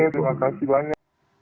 terima kasih banyak